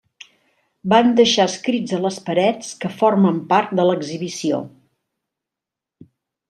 Van deixar escrits a les parets, que formen part de l'exhibició.